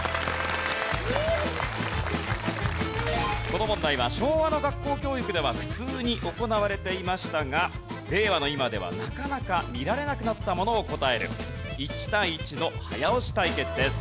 この問題は昭和の学校教育では普通に行われていましたが令和の今ではなかなか見られなくなったものを答える１対１の早押し対決です。